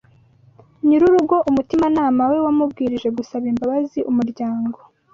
nyir’urugo umutimanama we wamubwirije gusaba imbabazi umuryango